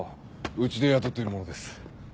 うちで雇ってる者です。